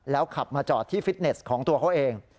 ขับมาจอดที่ฟิตเนสของตัวเขาเอง